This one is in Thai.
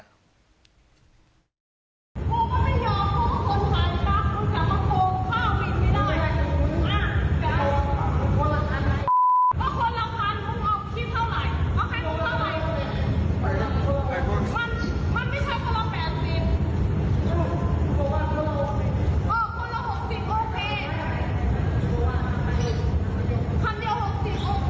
คนละ๖๐โอเค